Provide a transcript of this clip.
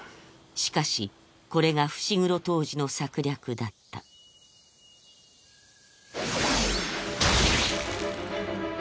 しかしこれが伏黒甚爾の策略だったドシュッ！